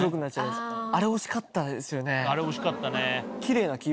あれ惜しかったね。